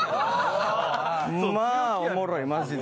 まあおもろい、マジで。